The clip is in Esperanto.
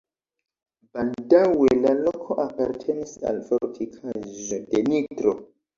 Baldaŭe la loko apartenis al fortikaĵo de Nitro.